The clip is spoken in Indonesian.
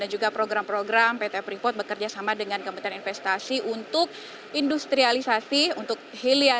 dan juga program program pt freeport bekerjasama dengan kementerian investasi untuk industrialisasi industri